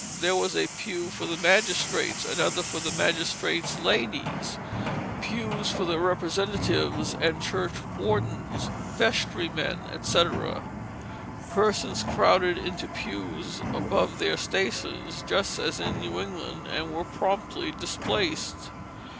There was a pew for the magistrates, another for the magistrates' ladies; pews for the representatives and church wardens, vestrymen, etc. Persons crowded into pews above their stations, just as in New England, and were promptly displaced.